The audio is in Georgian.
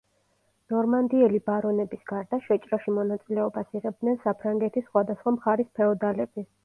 ნორმანდიელი ბარონების გარდა, შეჭრაში მონაწილეობას იღებდნენ საფრანგეთის სხვადასხვა მხარის ფეოდალები.